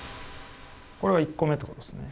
これは１個目ってことですね。